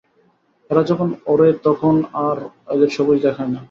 এরা যখন ওড়ে তখন আর এদের সবুজ দেখায় না।